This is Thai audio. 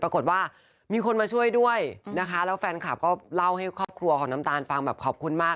ปรากฏว่ามีคนมาช่วยด้วยนะคะแล้วแฟนคลับก็เล่าให้ครอบครัวของน้ำตาลฟังแบบขอบคุณมาก